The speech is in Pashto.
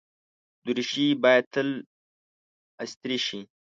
دریشي باید تل استری شي.